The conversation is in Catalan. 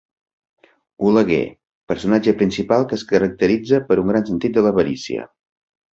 Oleguer: personatge principal que es caracteritza per un gran sentit de l'avarícia.